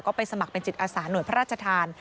ไปสมัครเป็นจิตอาสาหน่วยพระราชทาน